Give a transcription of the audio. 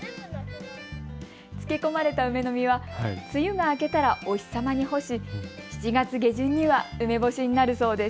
漬け込まれた梅の実は梅雨が明けたらお日様に干し、７月下旬には梅干しになるそうです。